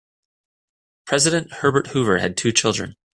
President Herbert Hoover had two children.